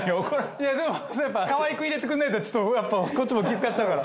いやでもやっぱ河合君入れてくれないとちょっとやっぱこっちも気ぃ使っちゃうから。